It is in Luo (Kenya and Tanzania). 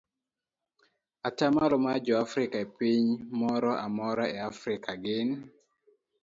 Atamalo mar joafrika e piny moro amora e Afrika gin